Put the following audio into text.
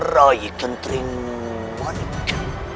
rai kentrim manik